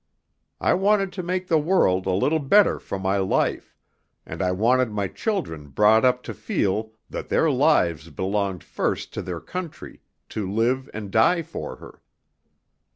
I wanted to make the world a little better for my life, and I wanted my children brought up to feel that their lives belonged first to their country, to live or die for her."